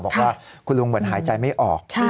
บอกว่าคุณลุงเหมือนหายใจไม่ออก